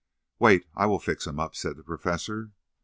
"Wait, I will fix him up," said the Professor.